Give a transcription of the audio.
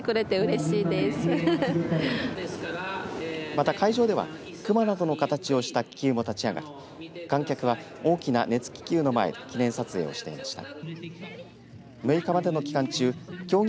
また、会場では熊などの形をした気球も立ち上がり観客は大きな熱気球の前で記念撮影をしていました。